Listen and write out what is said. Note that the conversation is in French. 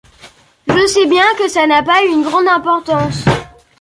Je sais bien que ça n'a pas une grande importance.